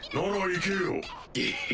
行けよ！